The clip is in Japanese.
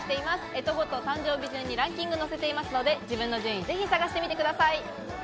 干支ごと、誕生日順にランキングを載せているので、自分の順位をぜひ探してみてください。